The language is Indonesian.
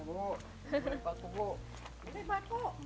ibu beli paku bu